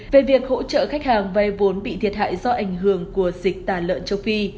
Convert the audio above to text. về việc hỗ trợ khách hàng vay vốn bị thiệt hại do ảnh hưởng của dịch tả lợn châu phi